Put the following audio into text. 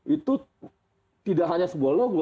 itu tidak hanya sebuah logo